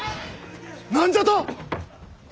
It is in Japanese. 何じゃと！？